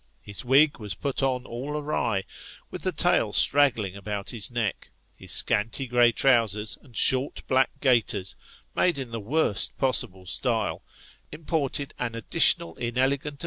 His wig was put on all awry, with the tail straggling about his neck, his scanty grey trousers and short black gaiters, made in the worst possible style, imparted an additional inelegant